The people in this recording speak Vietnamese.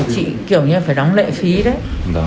chị kiểu như là phải đóng lệ phí đấy